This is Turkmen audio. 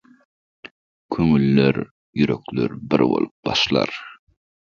Köňüller, ýürekler bir bolup başlar,